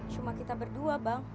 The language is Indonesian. cuma kita berdua bang